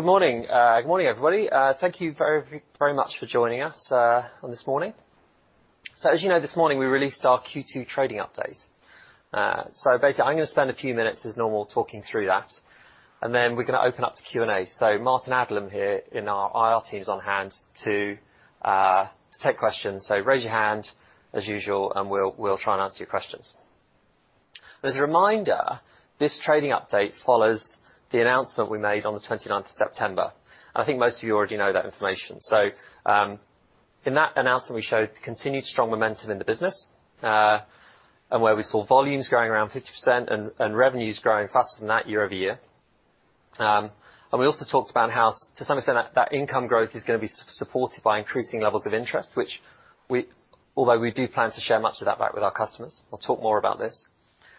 Good morning. Good morning, everybody. Thank you very, very much for joining us on this morning. As you know, this morning we released our Q2 trading update. Basically, I'm gonna spend a few minutes as normal talking through that, and then we're gonna open up to Q&A. Martin Adams here, in our IR team is on hand to take questions. Raise your hand as usual, and we'll try and answer your questions. As a reminder, this trading update follows the announcement we made on the twenty-ninth of September. I think most of you already know that information. In that announcement, we showed continued strong momentum in the business, and where we saw volumes growing around 50% and revenues growing faster than that year-over-year. We also talked about how to some extent that income growth is gonna be supported by increasing levels of interest, although we do plan to share much of that back with our customers. I'll talk more about this.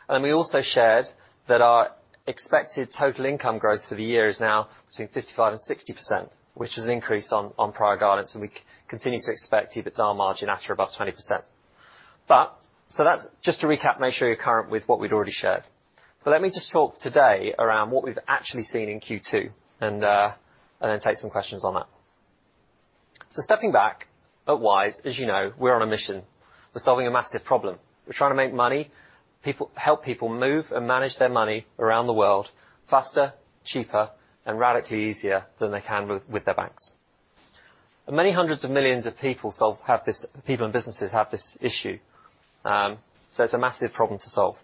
We also shared that our expected total income growth for the year is now between 55% and 60%, which is an increase on prior guidance, and we continue to expect EBITDA margin at or above 20%. That's just to recap, make sure you're current with what we'd already shared. Let me just talk today around what we've actually seen in Q2 and then take some questions on that. Stepping back at Wise, as you know, we're on a mission. We're solving a massive problem. We're trying to make money, people. Help people move and manage their money around the world faster, cheaper, and radically easier than they can with their banks. Many hundreds of millions of people and businesses have this issue. It's a massive problem to solve.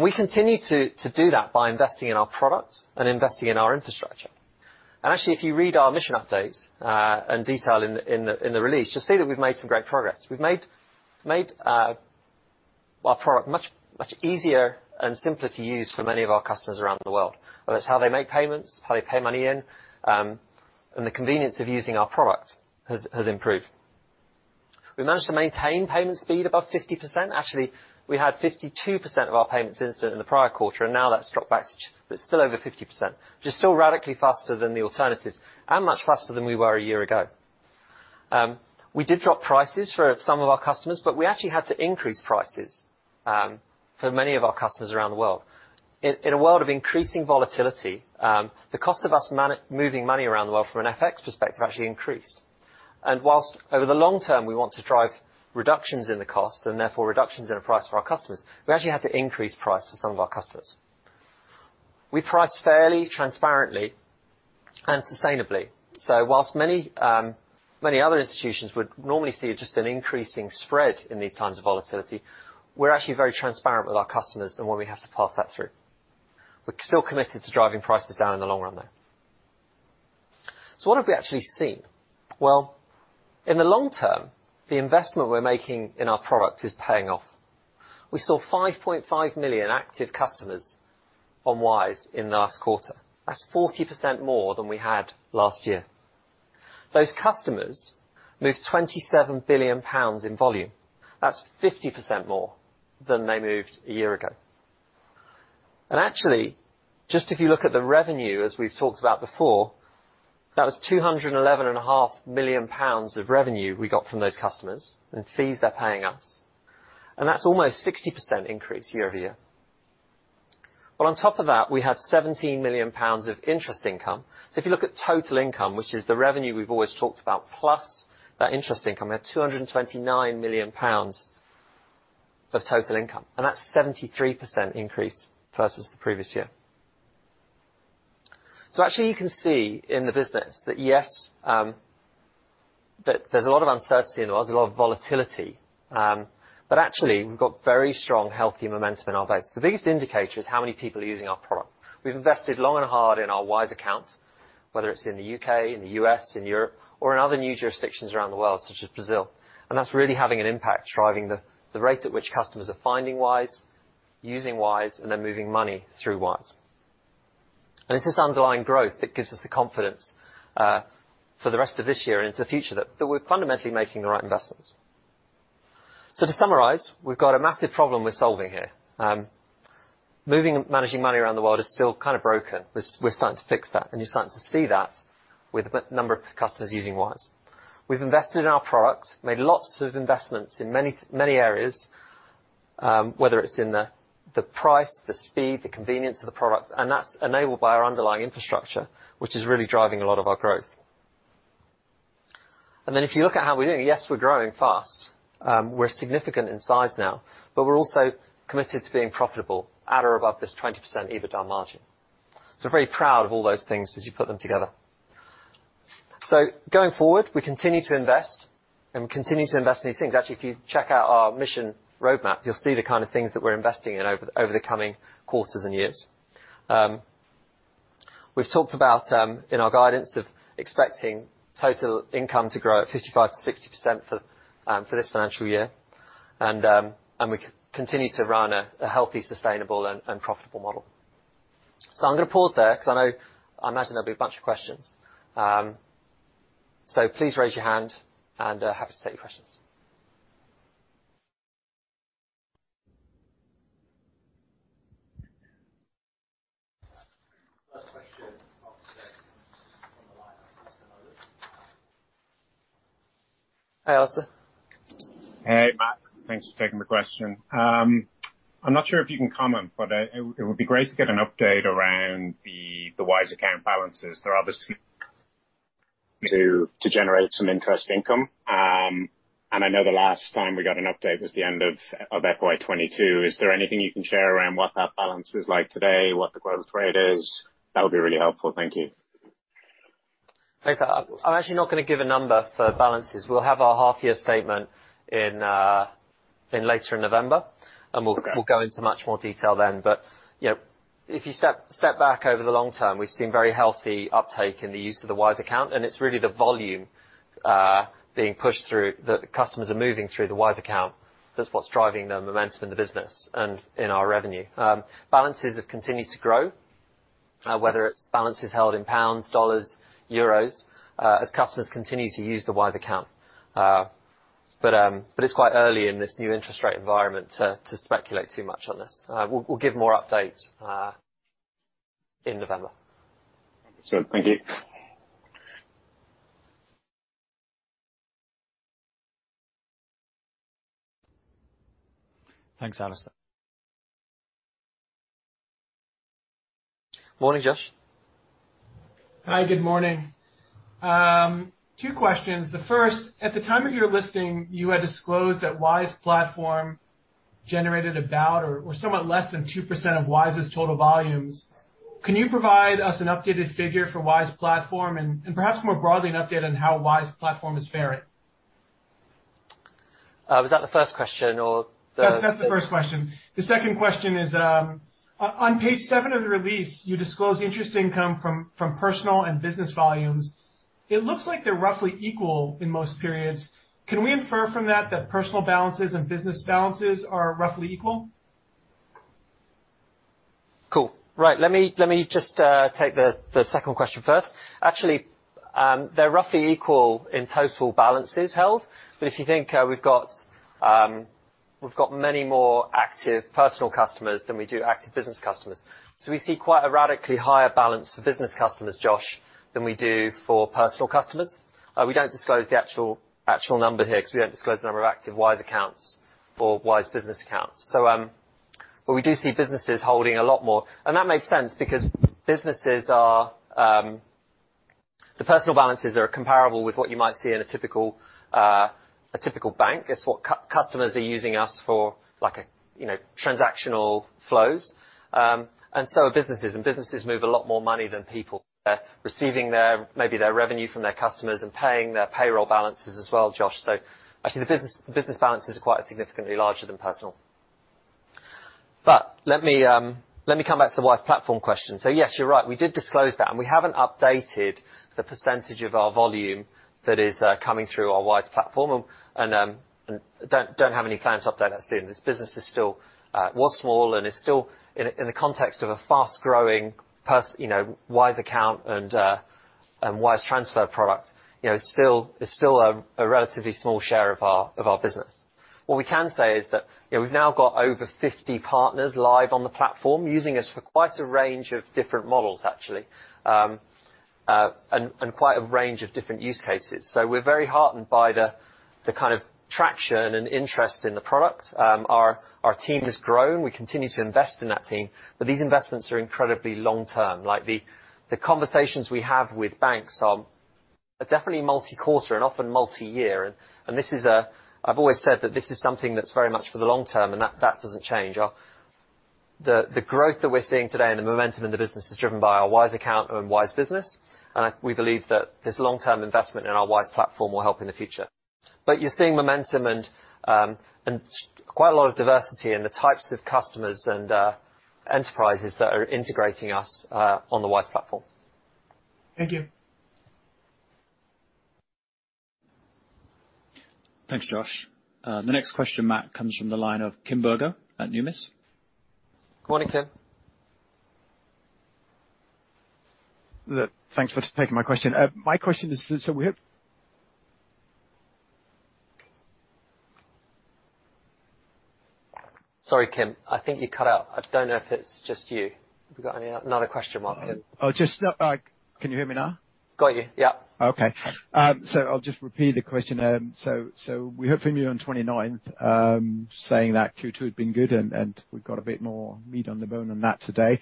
We continue to do that by investing in our products and investing in our infrastructure. Actually, if you read our mission update and the details in the release, you'll see that we've made some great progress. We've made our product much easier and simpler to use for many of our customers around the world. Whether it's how they make payments, how they pay money in, and the convenience of using our product has improved. We managed to maintain payment speed above 50%. Actually, we had 52% of our payments instant in the prior quarter, and now that's dropped back, but still over 50%. Which is still radically faster than the alternative and much faster than we were a year ago. We did drop prices for some of our customers, but we actually had to increase prices for many of our customers around the world. In a world of increasing volatility, the cost of us moving money around the world from an FX perspective actually increased. While over the long term, we want to drive reductions in the cost and therefore reductions in the price for our customers, we actually had to increase price for some of our customers. We price fairly, transparently, and sustainably. Whilst many other institutions would normally see just an increasing spread in these times of volatility, we're actually very transparent with our customers on why we have to pass that through. We're still committed to driving prices down in the long run, though. What have we actually seen? Well, in the long term, the investment we're making in our product is paying off. We saw 5.5 million active customers on Wise in the last quarter. That's 40% more than we had last year. Those customers moved 27 billion pounds in volume. That's 50% more than they moved a year ago. Actually, just if you look at the revenue, as we've talked about before, that was 211.5 million pounds of revenue we got from those customers and fees they're paying us. That's almost 60% increase year-over-year. On top of that, we have 17 million pounds of interest income. If you look at total income, which is the revenue we've always talked about, plus that interest income at 229 million pounds of total income, and that's 73% increase versus the previous year. Actually you can see in the business that yes, that there's a lot of uncertainty and there's a lot of volatility, but actually we've got very strong, healthy momentum in our base. The biggest indicator is how many people are using our product. We've invested long and hard in our Wise Account, whether it's in the U.K., in the U.S., in Europe, or in other new jurisdictions around the world such as Brazil. That's really having an impact, driving the rate at which customers are finding Wise, using Wise, and they're moving money through Wise. It's this underlying growth that gives us the confidence for the rest of this year into the future that we're fundamentally making the right investments. To summarize, we've got a massive problem we're solving here. Moving and managing money around the world is still kind of broken. We're starting to fix that, and you're starting to see that with the number of customers using Wise. We've invested in our products, made lots of investments in many areas, whether it's in the price, the speed, the convenience of the product, and that's enabled by our underlying infrastructure, which is really driving a lot of our growth. If you look at how we're doing, yes, we're growing fast. We're significant in size now, but we're also committed to being profitable at or above this 20% EBITDA margin. We're very proud of all those things as you put them together. Going forward, we continue to invest in these things. Actually, if you check out our mission roadmap, you'll see the kind of things that we're investing in over the coming quarters and years. We've talked about in our guidance of expecting total income to grow at 55%-60% for this financial year. We continue to run a healthy, sustainable, and profitable model. I'm gonna pause there 'cause I know, I imagine there'll be a bunch of questions. Please raise your hand and I'll be happy to take your questions. First question from Hi, Alastair. Hey, Matt. Thanks for taking the question. I'm not sure if you can comment, but it would be great to get an update around the Wise account balances. They're obviously to generate some interest income. I know the last time we got an update was the end of FY 2022. Is there anything you can share around what that balance is like today, what the growth rate is? That would be really helpful. Thank you. Thanks. I'm actually not gonna give a number for balances. We'll have our half year statement later in November. Okay. We'll go into much more detail then. You know, if you step back over the long term, we've seen very healthy uptake in the use of the Wise Account, and it's really the volume being pushed through that the customers are moving through the Wise Account. That's what's driving the momentum in the business and in our revenue. Balances have continued to grow, whether it's balances held in pounds, dollars, euros, as customers continue to use the Wise Account. But it's quite early in this new interest rate environment to speculate too much on this. We'll give more update in November. Sure. Thank you. Thanks, Alastair. Morning, Josh. Hi, good morning. Two questions. The first, at the time of your listing, you had disclosed that Wise Platform generated about, or somewhat less than 2% of Wise's total volumes. Can you provide us an updated figure for Wise Platform and perhaps more broadly, an update on how Wise Platform is faring? Was that the first question or the? That's the first question. The second question is, on page seven of the release, you disclose interest income from personal and business volumes. It looks like they're roughly equal in most periods. Can we infer from that personal balances and business balances are roughly equal? Cool. Right. Let me just take the second question first. Actually, they're roughly equal in total balances held, but if you think we've got many more active personal customers than we do active business customers. We see quite a radically higher balance for business customers, Josh, than we do for personal customers. We don't disclose the actual number here 'cause we don't disclose the number of active Wise Accounts or Wise Business accounts. We do see businesses holding a lot more. That makes sense. The personal balances are comparable with what you might see in a typical bank. It's what customers are using us for, you know, transactional flows, and so are businesses, and businesses move a lot more money than people. They're receiving their, maybe their revenue from their customers and paying their payroll balances as well, Josh. Actually, the business balances are quite significantly larger than personal. Let me come back to the Wise Platform question. Yes, you're right, we did disclose that, and we haven't updated the percentage of our volume that is coming through our Wise Platform and don't have any plans to update that soon. This business was small and is still in the context of a fast growing you know, Wise Account and Wise transfer product, you know, it's still a relatively small share of our business. What we can say is that, you know, we've now got over 50 partners live on the platform using us for quite a range of different models, actually. Quite a range of different use cases. We're very heartened by the kind of traction and interest in the product. Our team has grown. We continue to invest in that team, but these investments are incredibly long-term. Like the conversations we have with banks are definitely multi-quarter and often multi-year. I've always said that this is something that's very much for the long term, and that doesn't change. The growth that we're seeing today and the momentum in the business is driven by our Wise Account and Wise Business, and we believe that this long-term investment in our Wise Platform will help in the future. You're seeing momentum and quite a lot of diversity in the types of customers and enterprises that are integrating us on the Wise Platform. Thank you. Thanks, Josh. The next question, Matt, comes from the line of Kim Bergoe at Numis. Morning, Kim. Thanks for taking my question. My question is, so we have... Sorry, Kim, I think you cut out. I don't know if it's just you. Have you got another question while Kim Oh, just. Can you hear me now? Got you. Yep. Okay. I'll just repeat the question. We heard from you on the 29th, saying that Q2 had been good and we've got a bit more meat on the bone on that today.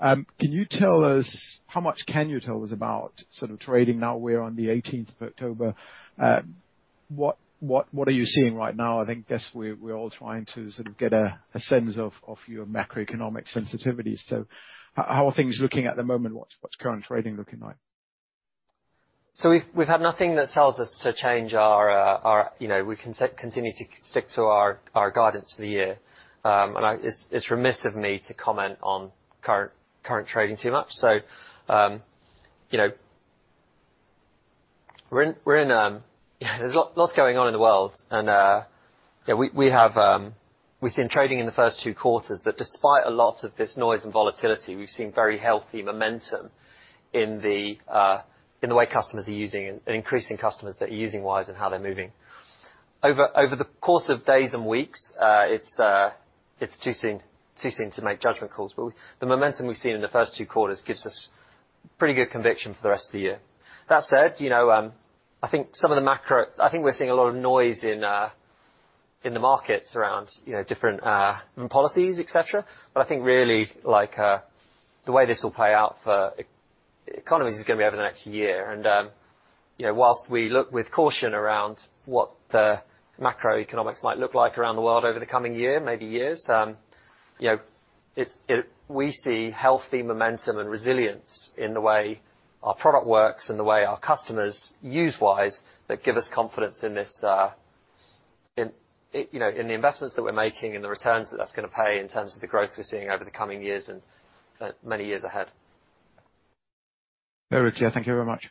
Can you tell us, how much can you tell us about sort of trading now we're on the eighteenth of October? What are you seeing right now? I think guess we're all trying to sort of get a sense of your macroeconomic sensitivity. How are things looking at the moment? What's current trading looking like? We've had nothing that tells us to change our you know continue to stick to our guidance for the year. It's remiss of me to comment on current trading too much. You know, we're in. Yeah, there's lots going on in the world and yeah, we've seen trading in the first two quarters that despite a lot of this noise and volatility, we've seen very healthy momentum in the way customers are using and increasing customers that are using Wise and how they're moving. Over the course of days and weeks, it's too soon to make judgment calls. The momentum we've seen in the first two quarters gives us pretty good conviction for the rest of the year. That said, you know, I think we're seeing a lot of noise in the markets around, you know, different policies, et cetera. I think really like the way this will play out for economies is gonna be over the next year. While we look with caution around what the macroeconomics might look like around the world over the coming year, maybe years, you know, we see healthy momentum and resilience in the way our product works and the way our customers use Wise that give us confidence in this, you know, in the investments that we're making and the returns that that's gonna pay in terms of the growth we're seeing over the coming years and many years ahead. Very clear. Thank you very much.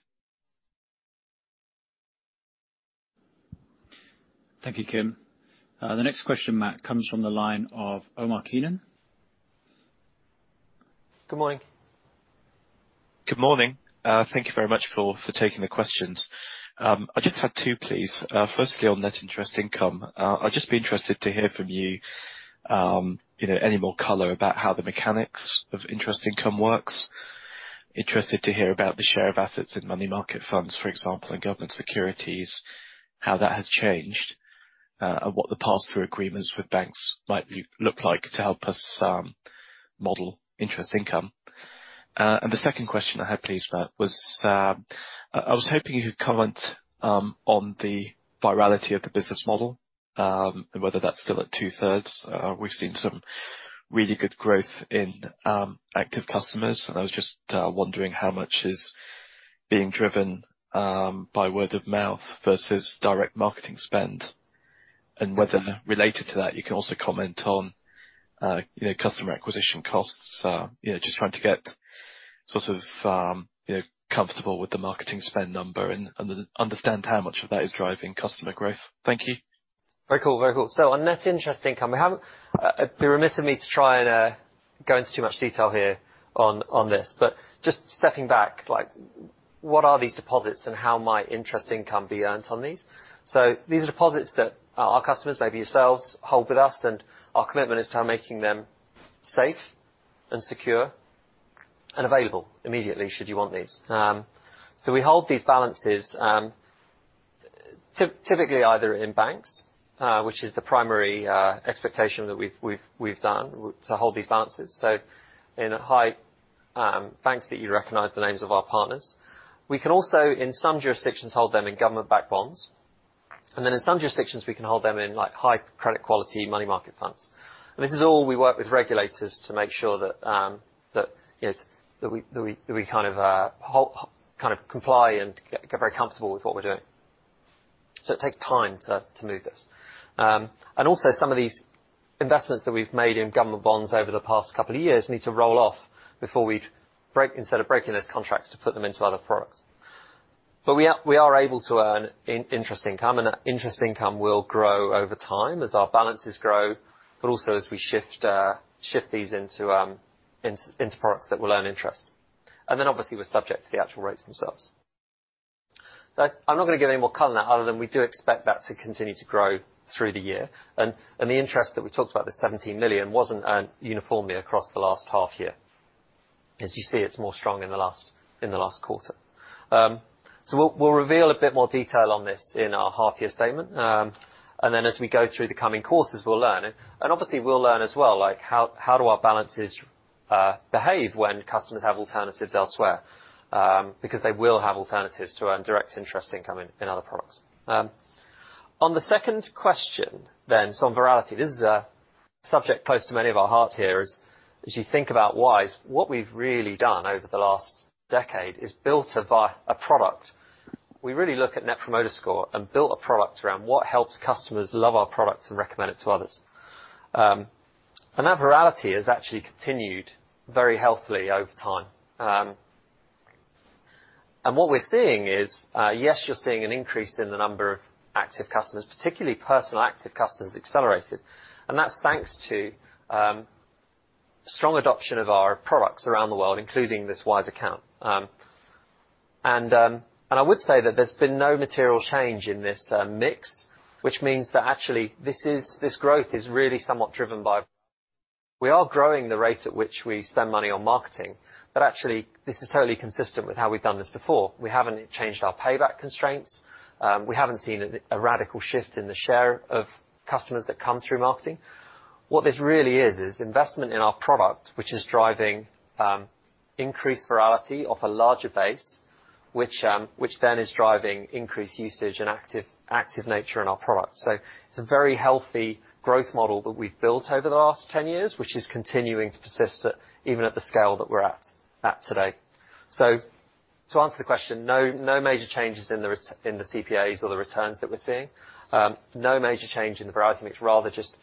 Thank you, Kim. The next question, Matt, comes from the line of Omar Keenan. Good morning. Good morning. Thank you very much for taking the questions. I just had two, please. Firstly, on net interest income, I'd just be interested to hear from you know, any more color about how the mechanics of interest income works. Interested to hear about the share of assets in money market funds, for example, in government securities, how that has changed, and what the pass-through agreements with banks might look like to help us model interest income. And the second question I had, please, Matt, was I was hoping you'd comment on the virality of the business model, and whether that's still at two-thirds. We've seen some really good growth in active customers, and I was just wondering how much is being driven by word of mouth versus direct marketing spend, and whether related to that, you can also comment on, you know, customer acquisition costs. You know, just trying to get sort of, you know, comfortable with the marketing spend number and understand how much of that is driving customer growth. Thank you. Very cool. On net interest income, it'd be remiss of me to try and go into too much detail here on this, but just stepping back, like what are these deposits and how might interest income be earned on these? These are deposits that our customers, maybe yourselves, hold with us, and our commitment is to making them safe and secure and available immediately should you want these. We hold these balances, typically either in banks, which is the primary expectation that we've done to hold these balances, so in high banks that you recognize the names of our partners. We can also, in some jurisdictions, hold them in government-backed bonds, and then in some jurisdictions, we can hold them in, like, high credit quality money market funds. This is all we work with regulators to make sure that we kind of comply and get very comfortable with what we're doing. It takes time to move this. Some of these investments that we've made in government bonds over the past couple of years need to roll off before we break, instead of breaking those contracts to put them into other products. We are able to earn interest income, and interest income will grow over time as our balances grow, but also as we shift these into products that will earn interest. Obviously, we're subject to the actual rates themselves. I'm not gonna give any more color than other than we do expect that to continue to grow through the year. The interest that we talked about, the 17 million, wasn't earned uniformly across the last half year. As you see, it's more strong in the last quarter. We'll reveal a bit more detail on this in our half year statement. Then as we go through the coming quarters, we'll learn. Obviously we'll learn as well, like how do our balances behave when customers have alternatives elsewhere? Because they will have alternatives to earned direct interest income in other products. On the second question, on virality, this is a subject close to many of our hearts here, as you think about Wise, what we've really done over the last decade is built a product. We really look at Net Promoter Score and built a product around what helps customers love our product and recommend it to others. That virality has actually continued very healthily over time. What we're seeing is, yes, you're seeing an increase in the number of active customers, particularly personal active customers accelerated, and that's thanks to strong adoption of our products around the world, including this Wise account. I would say that there's been no material change in this mix, which means that actually this is, this growth is really somewhat driven by. We are growing the rate at which we spend money on marketing, but actually this is totally consistent with how we've done this before. We haven't changed our payback constraints. We haven't seen a radical shift in the share of customers that come through marketing. What this really is investment in our product, which is driving increased virality of a larger base, which then is driving increased usage and active nature in our product. It's a very healthy growth model that we've built over the last 10 years, which is continuing to persist even at the scale that we're at today. To answer the question, no major changes in the CPAs or the returns that we're seeing. No major change in the virality mix, rather just,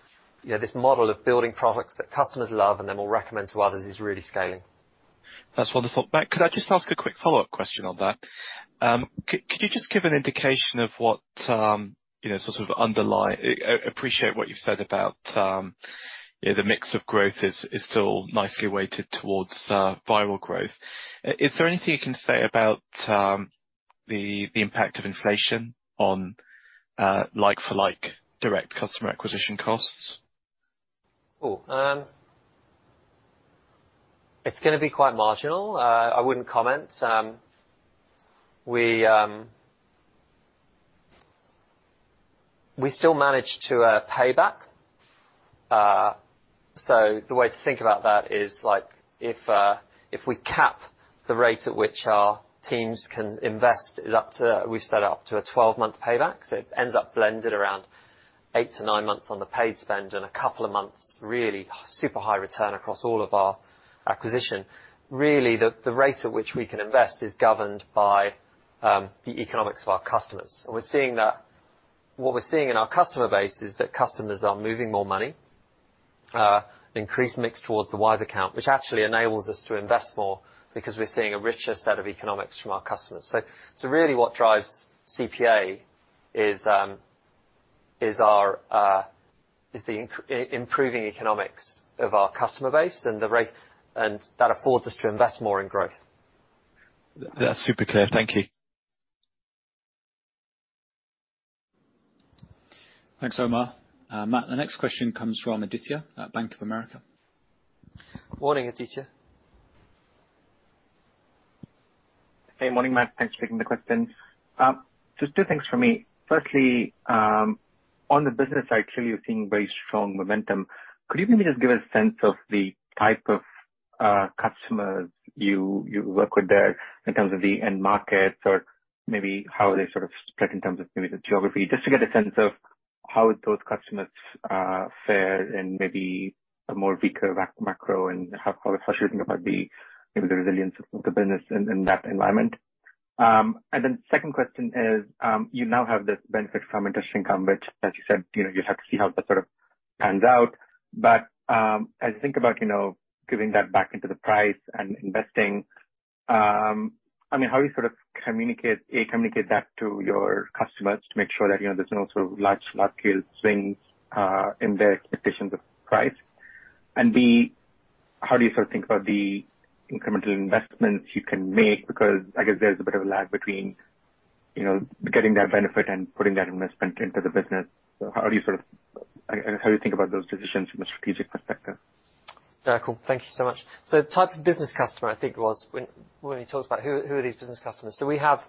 you know, this model of building products that customers love and then will recommend to others is really scaling. That's wonderful. Matt, could I just ask a quick follow-up question on that? Appreciate what you've said about the mix of growth is still nicely weighted towards viral growth. Is there anything you can say about the impact of inflation on like for like direct customer acquisition costs? Oh, it's gonna be quite marginal. I wouldn't comment. We still manage to pay back. The way to think about that is, like, if we cap the rate at which our teams can invest up to a 12-month payback. It ends up blended around eight-nine months on the paid spend and a couple of months really super high return across all of our acquisition. Really, the rate at which we can invest is governed by the economics of our customers. What we're seeing in our customer base is that customers are moving more money, increased mix towards the Wise Account, which actually enables us to invest more because we're seeing a richer set of economics from our customers. Really what drives CPA is our improving economics of our customer base and the rate that affords us to invest more in growth. That's super clear. Thank you. Thanks, Omar. Matt, the next question comes from Aditya at Bank of America. Morning, Aditya. Morning, Matt. Thanks for taking the question. Just two things for me. Firstly, on the business side, clearly you're seeing very strong momentum. Could you maybe just give a sense of the type of customers you work with there in terms of the end markets or maybe how they sort of spread in terms of maybe the geography, just to get a sense of how those customers fare in maybe a more weaker macro and how we should think about the resilience of the business in that environment. And then second question is, you now have this benefit from interest income which, as you said, you know, you'll have to see how that sort of pans out. As you think about, you know, giving that back into the price and investing, I mean, how do you sort of communicate, A, communicate that to your customers to make sure that, you know, there's no sort of large-scale swings in their expectations of price, and B, how do you sort of think about the incremental investments you can make? Because I guess there's a bit of a lag between, you know, getting that benefit and putting that investment into the business. How do you think about those decisions from a strategic perspective? Yeah. Cool. Thank you so much. Type of business customer, I think it was when you talked about who are these business customers. We have,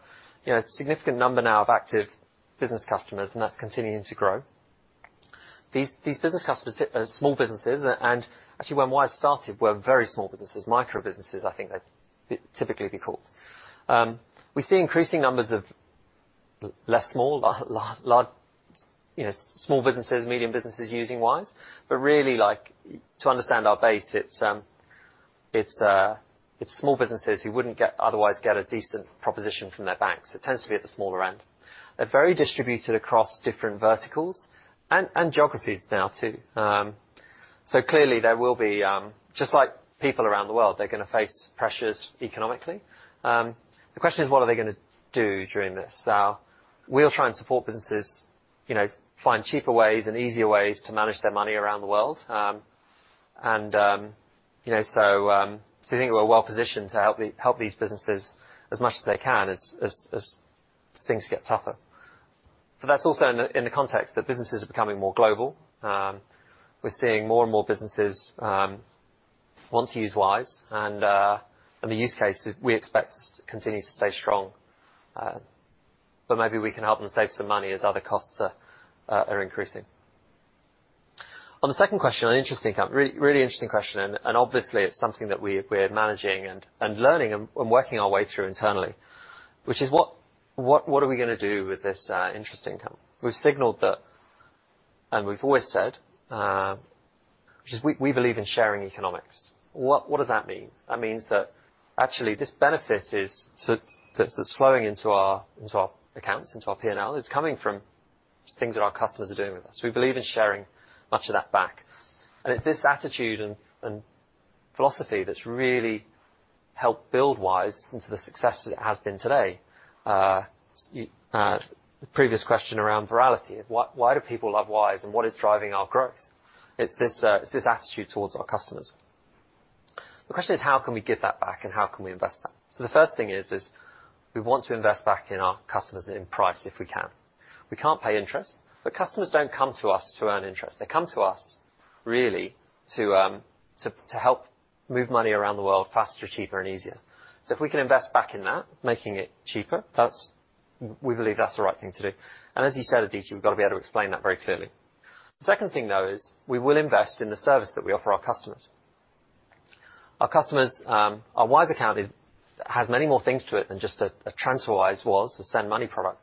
you know, a significant number now of active business customers, and that's continuing to grow. These business customers are small businesses. Actually, when Wise started, were very small businesses. Micro businesses, I think they'd typically be called. We see increasing numbers of less small, you know, small businesses, medium businesses using Wise. But really, like, to understand our base, it's small businesses who wouldn't otherwise get a decent proposition from their banks. It tends to be at the smaller end. They're very distributed across different verticals and geographies now too. Clearly there will be, just like people around the world, they're gonna face pressures economically. The question is what are they gonna do during this? We'll try and support businesses, you know, find cheaper ways and easier ways to manage their money around the world. You know, I think we're well positioned to help these businesses as much as they can as things get tougher. That's also in the context that businesses are becoming more global. We're seeing more and more businesses want to use Wise and the use cases we expect continue to stay strong. Maybe we can help them save some money as other costs are increasing. On the second question on interest income, really interesting question, obviously it's something that we're managing and learning and working our way through internally, which is what are we gonna do with this interest income? We've signaled that, and we've always said, which is we believe in sharing economics. What does that mean? That means that actually this benefit is that's flowing into our accounts, into our P&L, is coming from things that our customers are doing with us. We believe in sharing much of that back. It's this attitude and philosophy that's really helped build Wise into the success that it has been today. Previous question around virality, of why do people love Wise and what is driving our growth? It's this attitude towards our customers. The question is: How can we give that back and how can we invest that? The first thing is we want to invest back in our customers in price if we can. We can't pay interest, but customers don't come to us to earn interest. They come to us really to help move money around the world faster, cheaper and easier. If we can invest back in that, making it cheaper, that's. We believe that's the right thing to do. As you said, Aditya, we've got to be able to explain that very clearly. The second thing, though, is we will invest in the service that we offer our customers. Our customers, our Wise Account has many more things to it than just a TransferWise was, a send money product.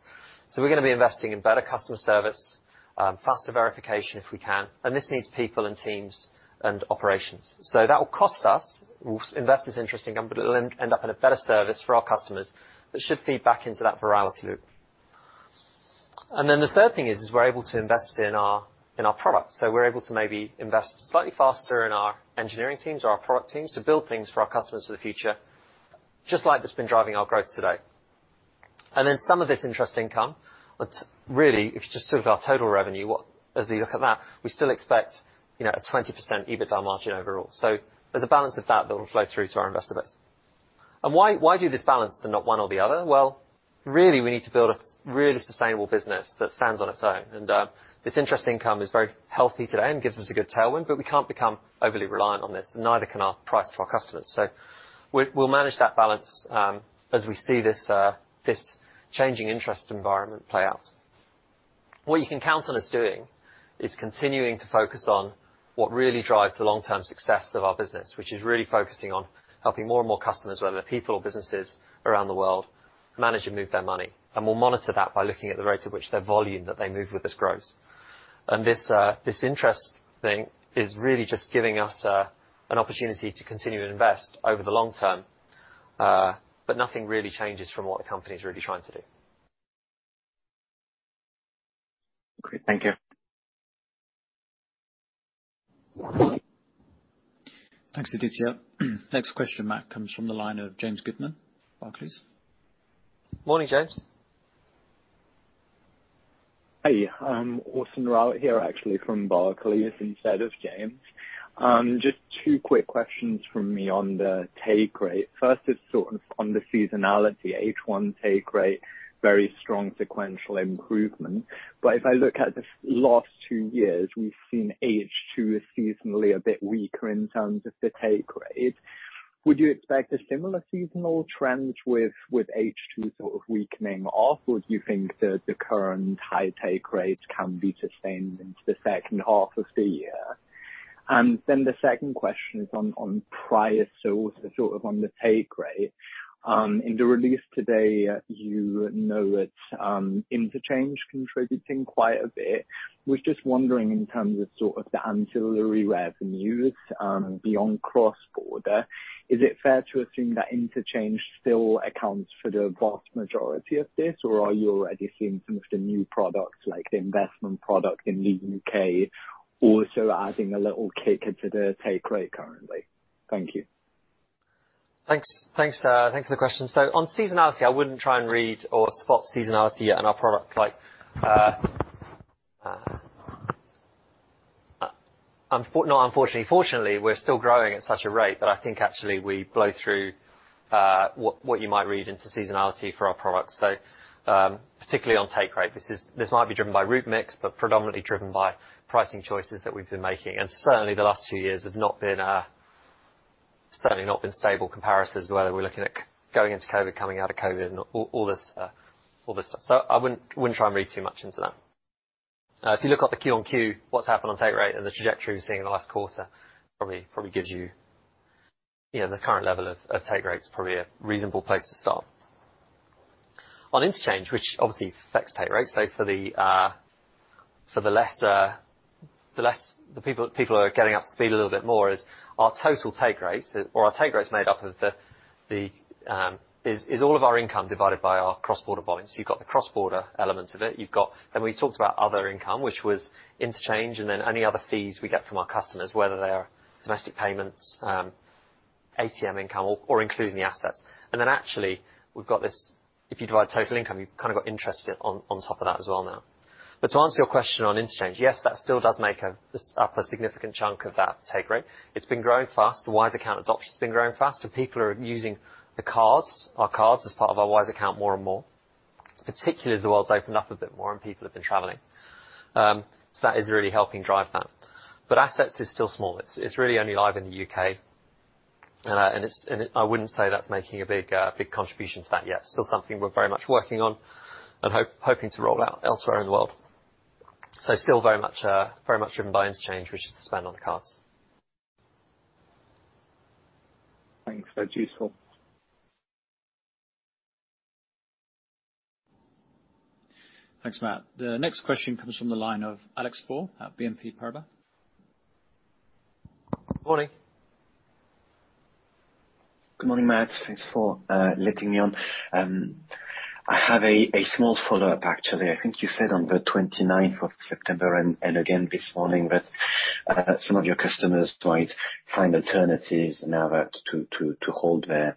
We're gonna be investing in better customer service, faster verification if we can. This needs people and teams and operations. That will cost us. We'll invest this interest income, but it'll end up in a better service for our customers. That should feed back into that virality loop. Then the third thing is we're able to invest in our product. We're able to maybe invest slightly faster in our engineering teams or our product teams to build things for our customers for the future, just like that's been driving our growth today. Then some of this interest income, but really, if you just think of our total revenue, as we look at that, we still expect, you know, a 20% EBITDA margin overall. There's a balance of that that will flow through to our investor base. Why do this balance then not one or the other? Well, really, we need to build a really sustainable business that stands on its own. This interest income is very healthy today and gives us a good tailwind, but we can't become overly reliant on this, and neither can our pricing for our customers. We'll manage that balance as we see this changing interest environment play out. What you can count on us doing is continuing to focus on what really drives the long-term success of our business, which is really focusing on helping more and more customers, whether they're people or businesses around the world, manage and move their money. We'll monitor that by looking at the rate at which their volume that they move with us grows. This interest thing is really just giving us an opportunity to continue to invest over the long term. Nothing really changes from what the company's really trying to do. Great. Thank you. Thanks, Aditya. Next question, Matt, comes from the line of James Goodman, Barclays. Morning, James. Hey, [Austin] here, actually from Barclays instead of James. Just two quick questions from me on the take rate. First is sort of on the seasonality H1 take rate, very strong sequential improvement. If I look at the last two years, we've seen H2 is seasonally a bit weaker in terms of the take rate. Would you expect a similar seasonal trend with H2 sort of weakening off? Or do you think the current high take rates can be sustained into the second half of the year? Then the second question is on price, so sort of on the take rate. In the release today, you note that interchange contributing quite a bit. Was just wondering, in terms of sort of the ancillary revenues, beyond cross-border, is it fair to assume that interchange still accounts for the vast majority of this? Or are you already seeing some of the new products, like the investment product in the U.K., also adding a little kicker to the take rate currently? Thank you. Thanks. Thanks for the question. On seasonality, I wouldn't try and read or spot seasonality on our product like. Fortunately, we're still growing at such a rate that I think actually we blow through what you might read into seasonality for our products. Particularly on take rate, this might be driven by route mix, but predominantly driven by pricing choices that we've been making. Certainly the last few years have not been stable comparisons, whether we're looking at going into COVID, coming out of COVID and all this stuff. I wouldn't try and read too much into that. If you look at the Q-on-Q, what's happened on take rate and the trajectory we've seen in the last quarter probably gives you know, the current level of take rate is probably a reasonable place to start. On interchange, which obviously affects take rate, the people are getting up to speed a little bit more. Our total take rate or our take rate is made up of all of our income divided by our cross-border volume. You've got the cross-border element of it. Then we talked about other income, which was interchange and then any other fees we get from our customers, whether they're domestic payments, ATM income or including the assets. Actually, we've got this, if you divide total income, you've kinda got interest on top of that as well now. To answer your question on interchange, yes, that still does make a significant chunk of that take rate. It's been growing fast. The Wise Account adoption has been growing fast, and people are using the cards, our cards as part of our Wise Account more and more, particularly as the world's opened up a bit more and people have been traveling. That is really helping drive that. Assets is still small. It's really only live in the U.K. I wouldn't say that's making a big contribution to that yet. Still something we're very much working on and hoping to roll out elsewhere in the world. Still very much driven by interchange, which is the spend on the cards. Thanks. That's useful. Thanks, Matt. The next question comes from the line of Alex Faure at BNP Paribas. Morning. Good morning, Matt. Thanks for letting me on. I have a small follow-up, actually. I think you said on the twenty-ninth of September and again this morning that some of your customers might find alternatives to hold their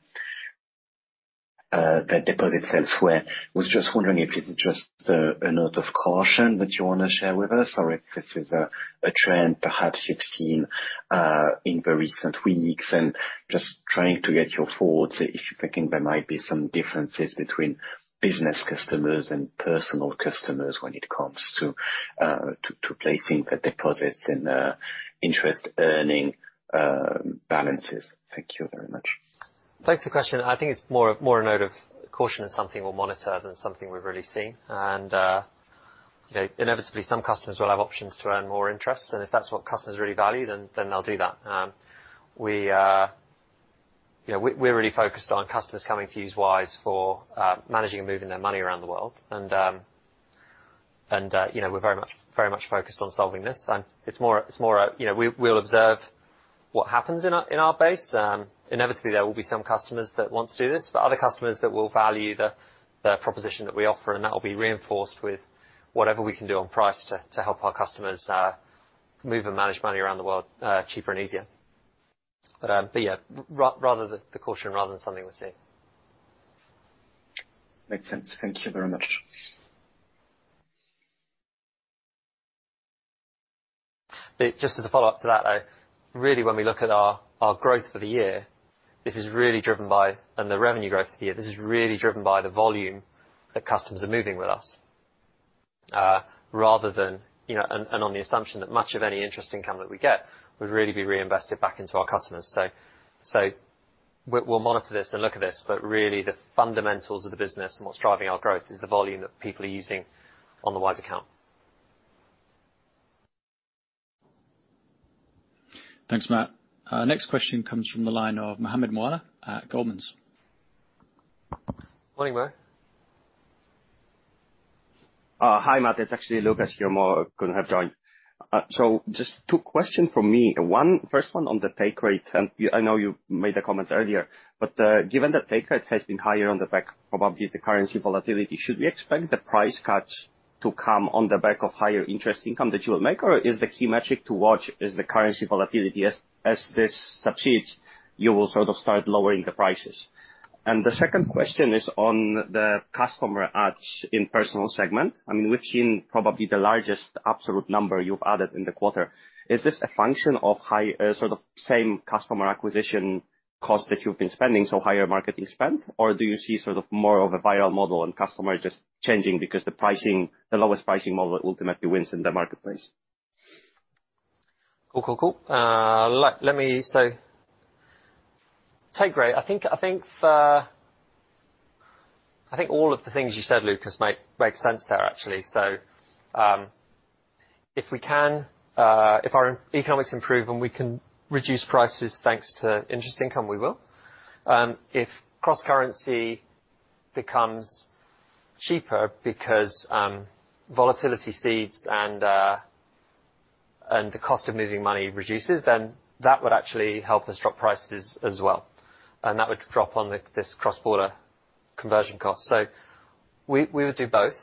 deposits elsewhere. Was just wondering if this is just a note of caution that you wanna share with us or if this is a trend perhaps you've seen in the recent weeks. Just trying to get your thoughts if you're thinking there might be some differences between business customers and personal customers when it comes to placing the deposits in interest earning balances. Thank you very much. Thanks for the question. I think it's more a note of caution of something we'll monitor than something we've really seen. You know, inevitably some customers will have options to earn more interest, and if that's what customers really value, then they'll do that. You know, we're really focused on customers coming to use Wise for managing and moving their money around the world. You know, we're very much focused on solving this. It's more a, you know, we'll observe what happens in our base. Inevitably there will be some customers that want to do this. There are other customers that will value the proposition that we offer, and that will be reinforced with whatever we can do on price to help our customers move and manage money around the world cheaper and easier. Yeah. Rather the caution rather than something we're seeing. Makes sense. Thank you very much. Just as a follow-up to that, though, really when we look at our growth for the year, this is really driven by and the revenue growth here, this is really driven by the volume that customers are moving with us. Rather than, you know, on the assumption that much of any interest income that we get would really be reinvested back into our customers. We'll monitor this and look at this, but really the fundamentals of the business and what's driving our growth is the volume that people are using on the Wise Account. Thanks, Matt. Next question comes from the line of Mohammed Moawalla at Goldman's. Morning, Mo. Hi, Matt. It's actually Lucas here. Mo couldn't have joined. So just two questions from me. One, first one on the take rate, and I know you made the comments earlier, but given the take rate has been higher on the back of, probably, the currency volatility, should we expect the price cuts to come on the back of higher interest income that you will make? Or is the key metric to watch the currency volatility, as this subsides, you will sort of start lowering the prices? And the second question is on the customer adds in personal segment. I mean, we've seen probably the largest absolute number you've added in the quarter. Is this a function of high sort of same customer acquisition cost that you've been spending, so higher marketing spend? Do you see sort of more of a viral model and customer just changing because the pricing, the lowest pricing model ultimately wins in the marketplace? Cool. Take rate, I think all of the things you said, Lucas, make sense there, actually. If our economics improve and we can reduce prices thanks to interest income, we will. If cross-currency becomes cheaper because volatility eases and the cost of moving money reduces, then that would actually help us drop prices as well, and that would drop on this cross-border conversion cost. We would do both,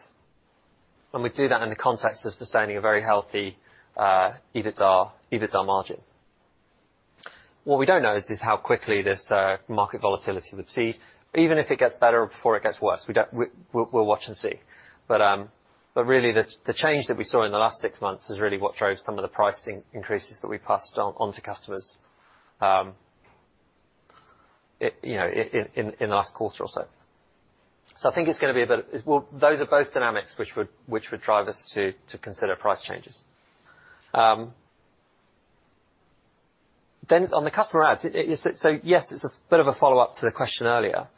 and we do that in the context of sustaining a very healthy EBITDA margin. What we don't know is just how quickly this market volatility would ease. Even if it gets better before it gets worse, we'll watch and see. really the change that we saw in the last six months is really what drove some of the pricing increases that we passed on to customers, you know, in the last quarter or so. I think it's gonna be a bit. Well, those are both dynamics which would drive us to consider price changes. Then on the customer adds, it's yes, it's a bit of a follow-up to the question earlier.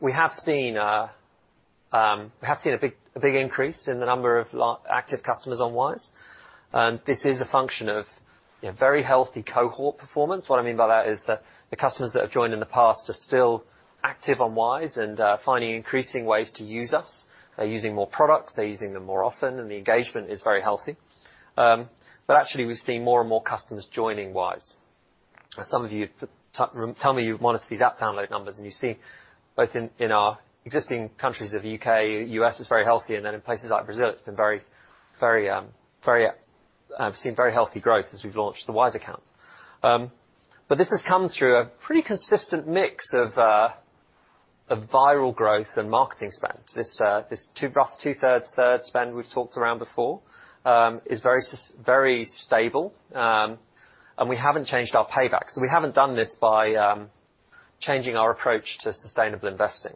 We have seen a big increase in the number of active customers on Wise, and this is a function of, you know, very healthy cohort performance. What I mean by that is that the customers that have joined in the past are still active on Wise and finding increasing ways to use us. They're using more products, they're using them more often, and the engagement is very healthy. Actually we've seen more and more customers joining Wise. Some of you tell me you've monitored these app download numbers, and you see both in our existing countries of U.K., U.S. Is very healthy, and then in places like Brazil, we've seen very healthy growth as we've launched the Wise Account. This has come through a pretty consistent mix of viral growth and marketing spend. This roughly two-thirds, one-third spend we've talked about before is very stable. We haven't changed our paybacks. We haven't done this by changing our approach to sustainable investing.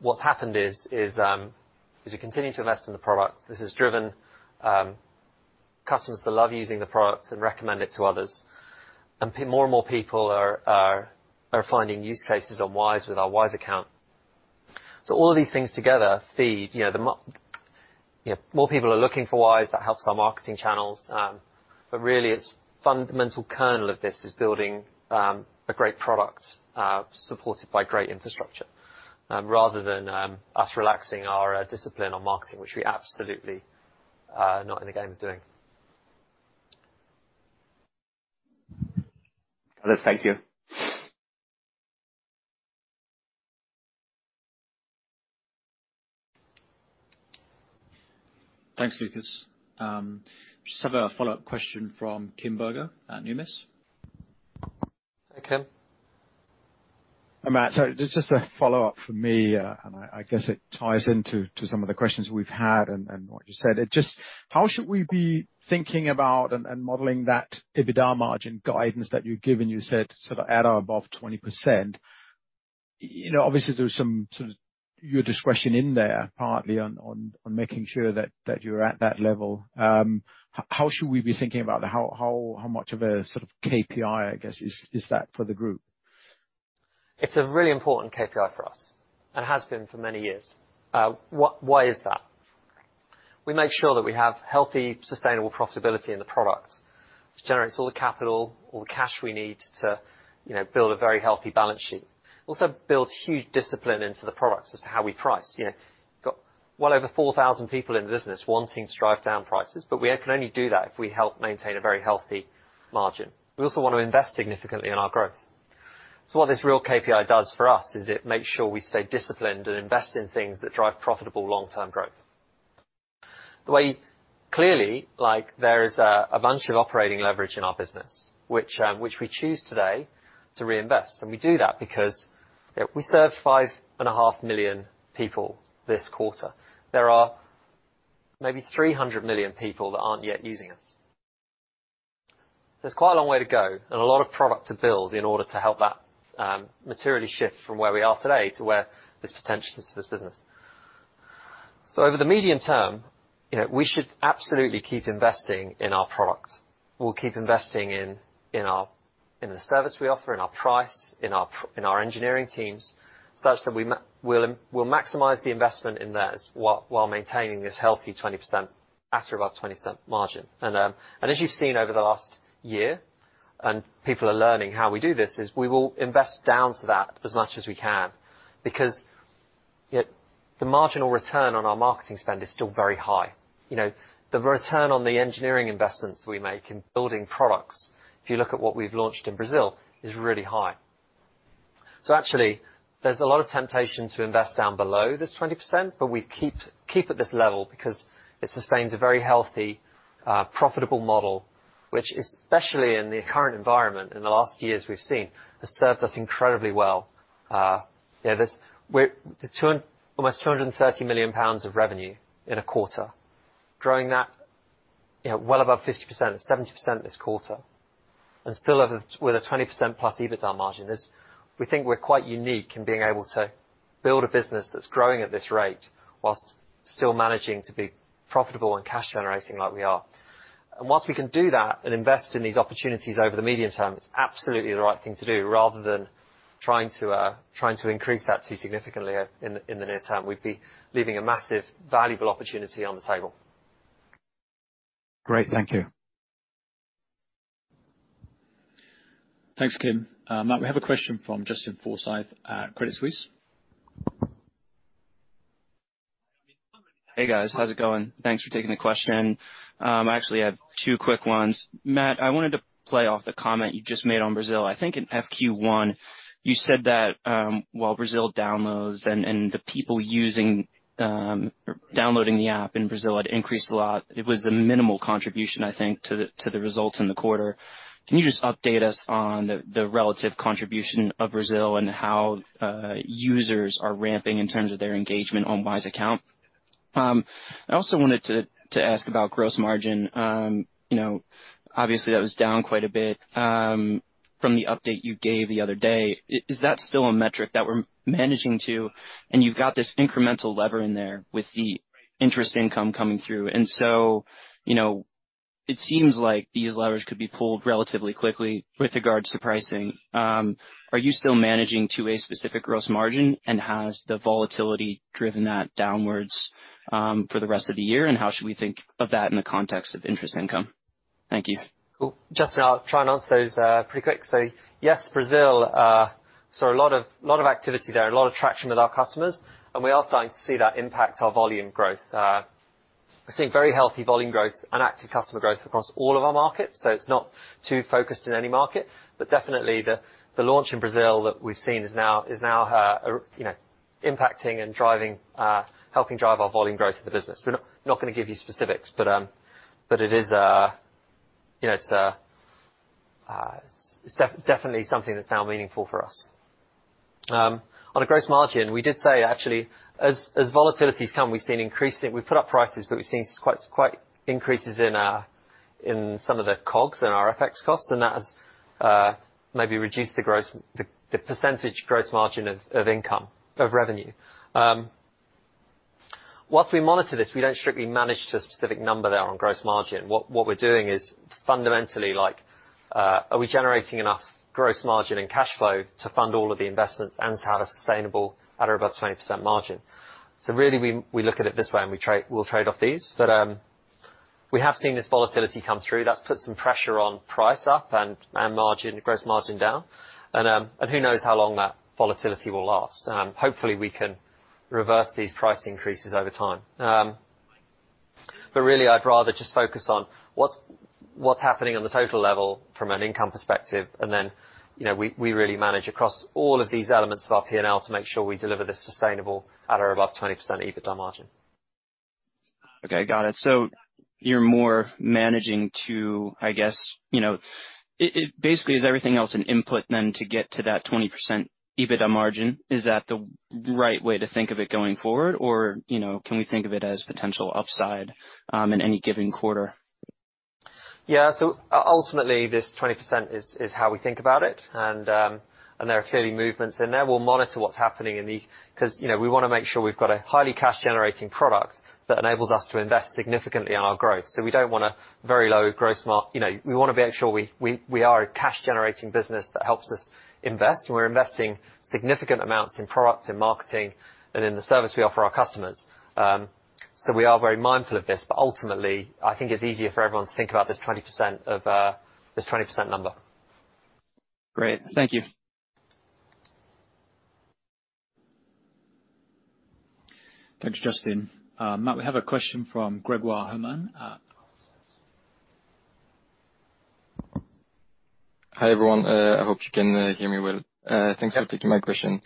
What's happened is we continue to invest in the product. This has driven customers to love using the products and recommend it to others, and more and more people are finding use cases on Wise with our Wise account. All of these things together feed, you know. You know, more people are looking for Wise, that helps our marketing channels. Really it's fundamental kernel of this is building a great product supported by great infrastructure, rather than us relaxing our discipline on marketing, which we absolutely not in the game of doing. Got it. Thank you. Thanks, Lucas. Just have a follow-up question from Kim Bergius at Numis. Hi, Kim. Hi, Matt. Just a follow-up from me, and I guess it ties into some of the questions we've had and what you said. How should we be thinking about and modeling that EBITDA margin guidance that you've given? You said sort of at or above 20%. You know, obviously there was some sort of your discretion in there, partly on making sure that you're at that level. How should we be thinking about how much of a sort of KPI, I guess, is that for the group? It's a really important KPI for us and has been for many years. We make sure that we have healthy, sustainable profitability in the product, which generates all the capital, all the cash we need to, you know, build a very healthy balance sheet. Also builds huge discipline into the products as to how we price. You know, got well over 4,000 people in the business wanting to drive down prices, but we can only do that if we help maintain a very healthy margin. We also wanna invest significantly in our growth. What this real KPI does for us is it makes sure we stay disciplined and invest in things that drive profitable long-term growth. Clearly, like, there is a bunch of operating leverage in our business which we choose today to reinvest, and we do that because we served 5.5 million people this quarter. There are maybe 300 million people that aren't yet using us. There's quite a long way to go and a lot of product to build in order to help that materially shift from where we are today to where there's potential to this business. So over the medium term, you know, we should absolutely keep investing in our product. We'll keep investing in the service we offer, in our price, in our engineering teams, such that we'll maximize the investment in those while maintaining this healthy 20%, at or above 20% margin. As you've seen over the last year, and people are learning how we do this, is we will invest down to that as much as we can. Because the marginal return on our marketing spend is still very high. You know, the return on the engineering investments we make in building products, if you look at what we've launched in Brazil, is really high. Actually, there's a lot of temptation to invest down below this 20%, but we keep at this level because it sustains a very healthy, profitable model, which especially in the current environment in the last years we've seen, has served us incredibly well. You know, we're almost 230 million pounds of revenue in a quarter, growing that, you know, well above 50%, 70% this quarter. Still have, with a 20% plus EBITDA margin. We think we're quite unique in being able to build a business that's growing at this rate while still managing to be profitable and cash generating like we are. While we can do that and invest in these opportunities over the medium term, it's absolutely the right thing to do rather than trying to increase that too significantly in the near term. We'd be leaving a massive valuable opportunity on the table. Great. Thank you. Thanks, Kim. Matt, we have a question from Justin Forsythe at Credit Suisse. Hey, guys. How's it going? Thanks for taking the question. I actually have two quick ones. Matt, I wanted to play off the comment you just made on Brazil. I think in FQ1, you said that while Brazil downloads and the people using or downloading the app in Brazil had increased a lot, it was a minimal contribution, I think, to the results in the quarter. Can you just update us on the relative contribution of Brazil and how users are ramping in terms of their engagement on Wise Account? I also wanted to ask about gross margin. You know, obviously, that was down quite a bit from the update you gave the other day. Is that still a metric that we're managing to, and you've got this incremental lever in there with the interest income coming through. You know, it seems like these levers could be pulled relatively quickly with regards to pricing. Are you still managing to a specific gross margin? Has the volatility driven that downward for the rest of the year? How should we think of that in the context of interest income? Thank you. Cool. Justin, I'll try and answer those pretty quick. Yes, Brazil, a lot of activity there, a lot of traction with our customers, and we are starting to see that impact our volume growth. We're seeing very healthy volume growth and active customer growth across all of our markets, so it's not too focused in any market. Definitely the launch in Brazil that we've seen is now you know impacting and driving helping drive our volume growth of the business. We're not gonna give you specifics, but it is you know it's a definitely something that's now meaningful for us. On a gross margin, we did say actually, as volatility has come, we've seen increasing. We've put up prices, but we've seen quite increases in some of the COGS and FX costs, and that has maybe reduced the gross margin percentage of revenue. While we monitor this, we don't strictly manage to a specific number there on gross margin. What we're doing is fundamentally like are we generating enough gross margin and cash flow to fund all of the investments and to have a sustainable at or above 20% margin? Really we look at it this way and we'll trade off these. We have seen this volatility come through. That's put some pressure on prices up and gross margin down. Who knows how long that volatility will last. Hopefully we can reverse these price increases over time. I'd rather just focus on what's happening on the total level from an income perspective, and then, you know, we really manage across all of these elements of our P&L to make sure we deliver this sustainably at or above 20% EBITDA margin. Okay, got it. You're more managing to, I guess, you know, it basically is everything else an input then to get to that 20% EBITDA margin? Is that the right way to think of it going forward? Or, you know, can we think of it as potential upside in any given quarter? Ultimately this 20% is how we think about it. There are clearly movements in there. We'll monitor what's happening. Because, you know, we want to make sure we've got a highly cash generating product that enables us to invest significantly in our growth. We don't want a very low gross margin. You know, we want to make sure we are a cash generating business that helps us invest, and we're investing significant amounts in product, in marketing, and in the service we offer our customers. We are very mindful of this, but ultimately, I think it's easier for everyone to think about this 20% of this 20% number. Great. Thank you. Thanks, Justin. Matt, we have a question from Grégoire Hermann. Hi, everyone. I hope you can hear me well. Thanks for taking my question.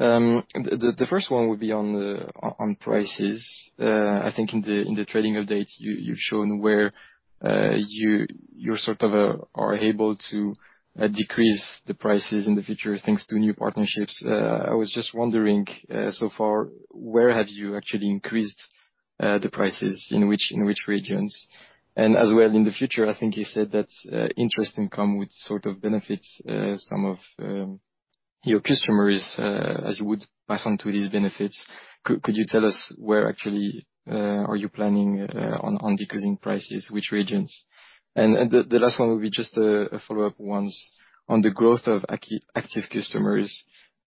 The first one would be on the prices. I think in the trading update, you've shown where you sort of are able to decrease the prices in the future thanks to new partnerships. I was just wondering, so far, where have you actually increased the prices? In which regions? And as well in the future, I think you said that interest income would sort of benefit some of your customers as you would pass on these benefits, could you tell us where actually are you planning on decreasing prices? Which regions? And the last one will be just a follow-up ones. On the growth of active customers,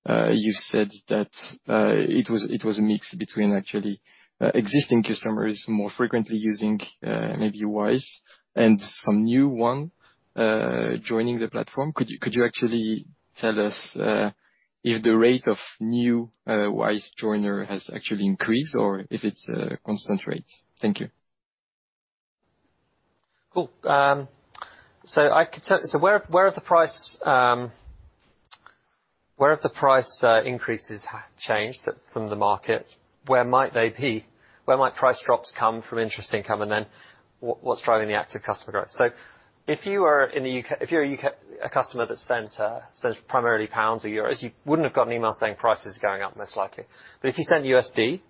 you said that it was a mix between actually existing customers more frequently using maybe Wise and some new one joining the platform. Could you actually tell us if the rate of new Wise joiner has actually increased or if it's a constant rate? Thank you. Cool. Where are the price increases, how have they changed from the market? Where might they be? Where might price drops come from interest income? What's driving the active customer growth? If you're a U.K. customer that sends primarily pounds or euros, you wouldn't have got an email saying price is going up, most likely. If you send USD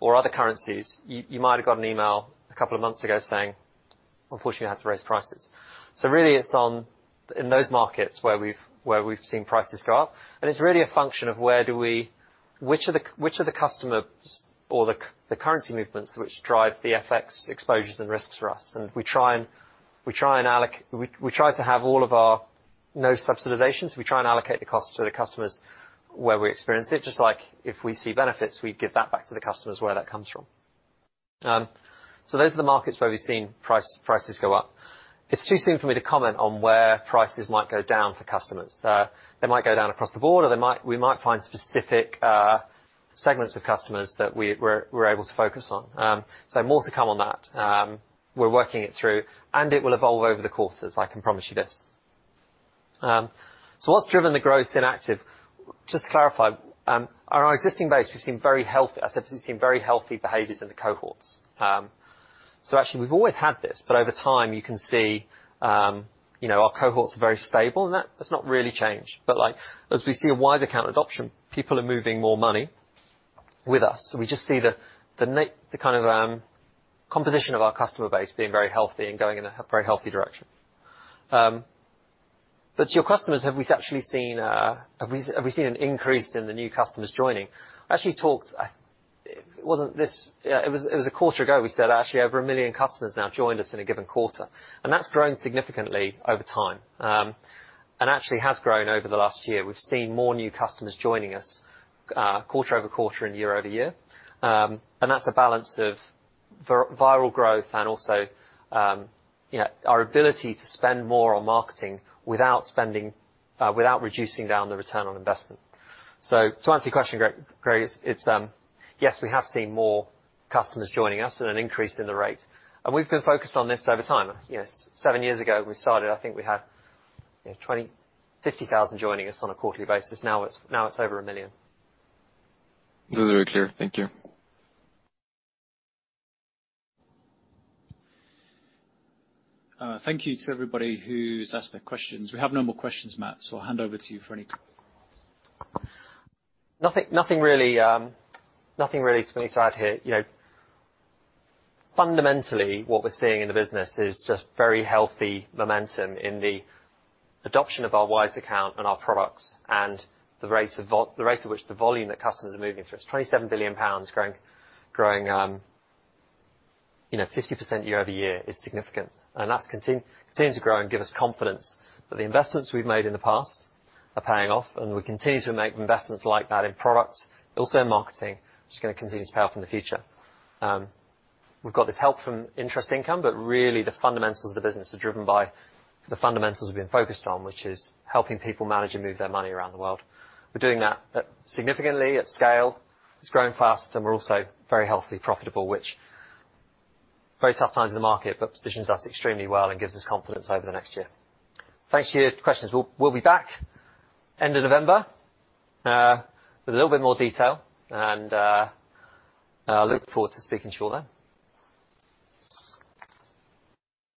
or other currencies, you might have got an email a couple of months ago saying, "Unfortunately, we've had to raise prices." Really it's only in those markets where we've seen prices go up. It's really a function of which of the customers or the currency movements which drive the FX exposures and risks for us. We try to have no cross-subsidization. We try and allocate the costs to the customers where we experience it. Just like if we see benefits, we give that back to the customers where that comes from. Those are the markets where we've seen prices go up. It's too soon for me to comment on where prices might go down for customers. They might go down across the board, or we might find specific segments of customers that we're able to focus on. More to come on that. We're working it through, and it will evolve over the course as I can promise you this. What's driven the growth in active? Just to clarify, on our existing base, I said we've seen very healthy behaviors in the cohorts. Actually we've always had this. Over time, you can see, you know, our cohorts are very stable, and that has not really changed. Like, as we see a Wise Account adoption, people are moving more money with us. We just see the kind of composition of our customer base being very healthy and going in a very healthy direction. To your customers, have we actually seen an increase in the new customers joining? I actually talked. It wasn't this. It was a quarter ago, we said actually over 1 million customers now joined us in a given quarter. That's grown significantly over time. Actually has grown over the last year. We've seen more new customers joining us, quarter-over-quarter and year-over-year. That's a balance of viral growth and also, you know, our ability to spend more on marketing without spending, without reducing down the return on investment. To answer your question, Grégoire, it's yes, we have seen more customers joining us and an increase in the rate. We've been focused on this over time. You know, seven years ago, we started, I think we had, you know, 20,000 to 50,000 joining us on a quarterly basis. Now it's over 1 million. Those are clear. Thank you. Thank you to everybody who's asked their questions. We have no more questions, Matt, so I'll hand over to you for any comments. Nothing really for me to add here. You know, fundamentally, what we're seeing in the business is just very healthy momentum in the adoption of our Wise Account and our products and the rate at which the volume that customers are moving through. It's 27 billion pounds growing, you know, 50% year-over-year is significant. That continues to grow and give us confidence that the investments we've made in the past are paying off, and we continue to make investments like that in product, but also in marketing, which is gonna continue to pay off in the future. We've got this help from interest income, but really the fundamentals of the business are driven by the fundamentals we've been focused on, which is helping people manage and move their money around the world. We're doing that significantly at scale. It's growing fast, and we're also very healthy, profitable, which very tough times in the market, but positions us extremely well and gives us confidence over the next year. Thanks for your questions. We'll be back end of November with a little bit more detail, and I look forward to speaking to you all then.